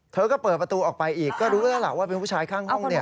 เธอก็เปิดประตูออกไปอีกก็รู้แล้วล่ะว่าเป็นผู้ชายข้างห้อง